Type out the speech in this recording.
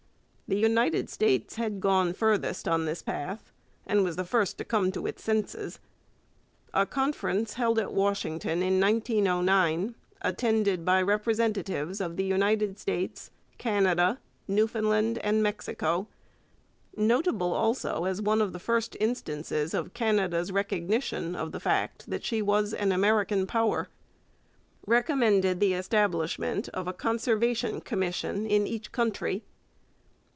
The United States had gone furthest on this path, and was the first to come to its senses. A conference held at Washington, in 1909, attended by representatives of the United States, Canada, Newfoundland, and Mexico notable also as one of the first instances of Canada's recognition of the fact that she was an American power recommended the establishment of a conservation commission in each country.